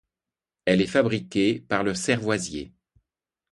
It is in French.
Elle est fabriquée par le cervoisier.